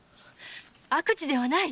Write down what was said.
悪事ではない！